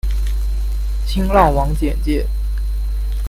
新浪网简介